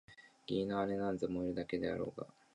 義理の妹なんざ萌えるだけだろうがあ！